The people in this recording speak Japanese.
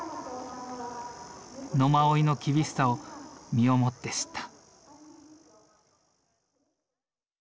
野馬追の厳しさを身をもって知った。